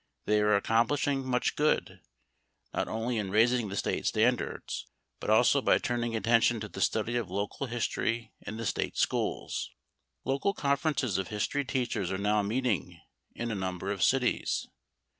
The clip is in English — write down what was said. They are accomplishing much good, not only in raising the State standards, but also by turning attention to the study of local history in the State schools. Local conferences of history teachers are now meeting in a number of cities.